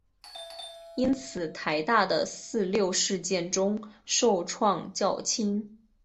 因此台大在四六事件中受创较轻。